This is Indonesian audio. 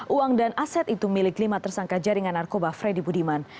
uang dan aset itu milik lima tersangka jaringan narkoba freddy budiman